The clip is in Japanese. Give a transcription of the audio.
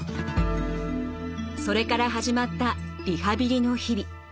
それから始まったリハビリの日々。